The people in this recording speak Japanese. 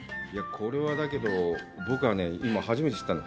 これはだけど、僕はね、今初めて知ったの。